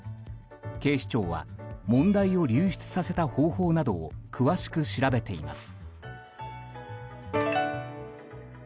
警視庁は問題を流出させた方法などを詳しく調べています。